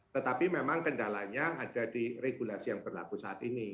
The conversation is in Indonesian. tetapi memang kendalanya ada di regulasi yang berlaku saat ini